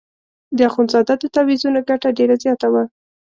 د اخندزاده د تاویزانو ګټه ډېره زیاته وه.